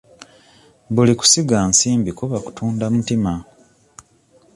Buli kusiga nsimbi kuba kutunda mutima.